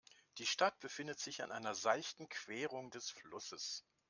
Die Stadt befindet sich an einer seichten Querung des Flusses.